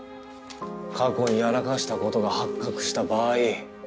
過去にやらかした事が発覚した場合。